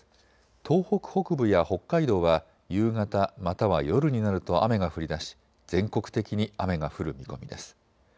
東北北部や北海道は夕方または夜になると雨が降りだし全国的に雨が降る見込みです。